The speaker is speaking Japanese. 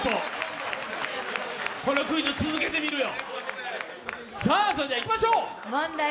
このクイズ、続けてみるよ。